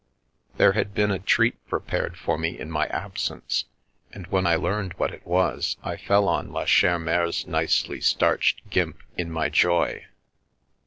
There had been a treat prepared for me in my absence, and when I learned what it was, I fell on La Chere Mere's nicely starched gimp in my joy.